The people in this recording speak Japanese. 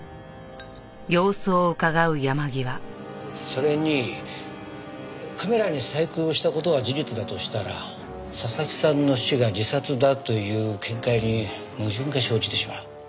それにカメラに細工をした事が事実だとしたら佐々木さんの死が自殺だという見解に矛盾が生じてしまう。